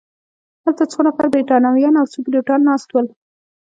هلته څو نفره بریتانویان او څو پیلوټان ناست ول.